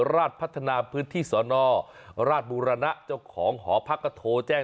ราชพัฒนาพื้นที่สนราชบุรณะเจ้าของหอพักก็โทรแจ้ง